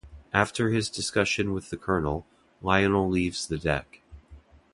After his discussion with the Colonel, Lionel leaves the deck.